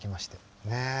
ねえ。